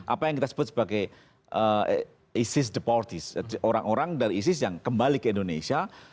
apa yang kita sebut sebagai isis the polities orang orang dari isis yang kembali ke indonesia